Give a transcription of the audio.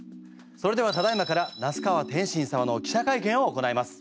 それではただいまから那須川天心様の記者会見を行います。